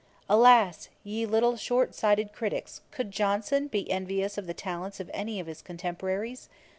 Alas! ye little short sighted criticks, could JOHNSON be envious of the talents of any of his contemporaries?